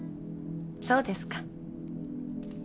そうですか。